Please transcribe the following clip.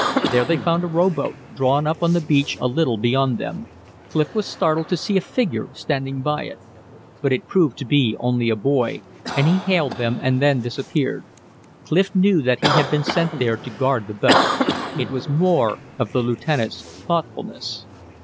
There they found a rowboat, drawn up on the beach a little beyond them. Clif was startled to see a figure standing by it. But it proved to be only a boy, and he hailed them and then disappeared. Clif knew that he had been sent there to guard the boat; it was more of the lieutenant's thoughtfulness.